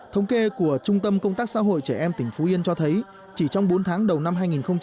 thống kê của trung tâm công tác xã hội trẻ em tỉnh phú yên cho thấy chỉ trong bốn tháng đầu năm hai nghìn một mươi chín